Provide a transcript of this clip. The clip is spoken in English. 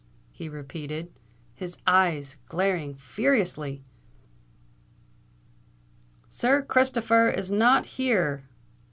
he repeated, his eyes glaring furiously, "Sir Christopher is not here!